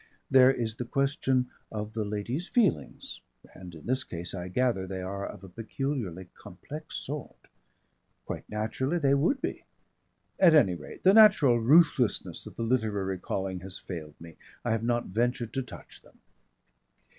There is the question of the lady's feelings and in this case I gather they are of a peculiarly complex sort. Quite naturally they would be. At any rate, the natural ruthlessness of the literary calling has failed me. I have not ventured to touch them....